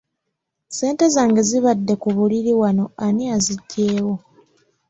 Ssente zange ezibadde ku buliri wano ani aziggyewo?